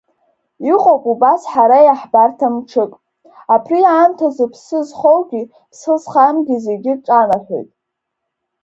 Иҟоуп убас ҳара иаҳбарҭам мчык, абри аамҭазы ԥсы зхоугьы, ԥсы зхамгьы зегьы ҿанаҳәоит.